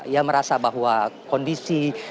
ia merasa bahwa kondisi